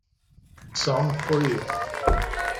Song for you